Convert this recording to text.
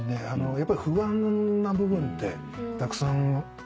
やっぱり不安な部分ってたくさんあったよね。